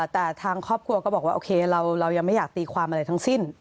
แต่ทางครอบครัวก็บอกว่าโอเคเรายังไม่อยากตีความอะไรทั้งสิ้น